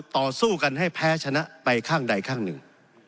ต่อสู้กันให้แพ้ชนะไปข้างใดข้างหนึ่ง